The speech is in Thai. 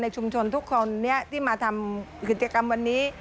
ชุมชนทุกคนที่มาทำกิจกรรมวันนี้